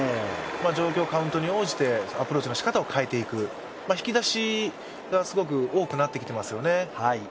状況、カウントに応じてアプローチのしかたを変えていく、引き出しがすごく多くなってきてますよね。